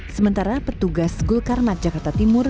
sementara petugas gul karmat jakarta timur